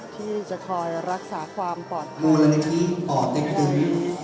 ที่จะคอยรักษาความปลอดภัย